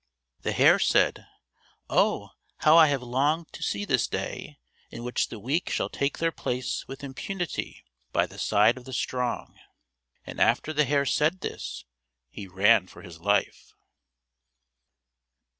The Hare said, "Oh, how I have longed to see this day, in which the weak shall take their place with impunity by the side of the strong." And after the Hare said this, he ran for his life.